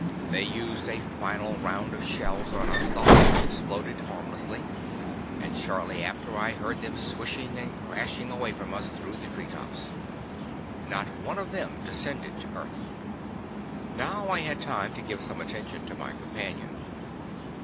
They used a final round of shells on us, all of which exploded harmlessly, and shortly after I heard them swishing and crashing away from us through the tree tops. Not one of them descended to earth. Now I had time to give some attention to my companion.